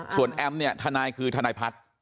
ส่วนแอมเนี่ยทนายคือทนายพัฒน์